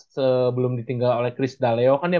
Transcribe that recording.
sebelum ditinggal oleh chris dalleo kan dia